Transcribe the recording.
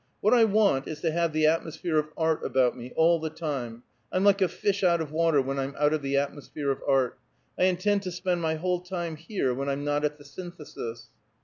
What I want is to have the atmosphere of art about me, all the time. I'm like a fish out of water when I'm out of the atmosphere of art. I intend to spend my whole time here when I'm not at the Synthesis."